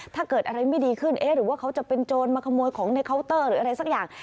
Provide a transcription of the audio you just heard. ถ้าเกิดอะไรไม่ดีขึ้นเอ๊ะหรือว่าเขาจะเป็นโจรมาขโมยของในเคาน์เตอร์หรืออะไรสักอย่าง